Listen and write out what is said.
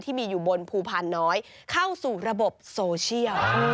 ที่มีอยู่บนภูพานน้อยเข้าสู่ระบบโซเชียล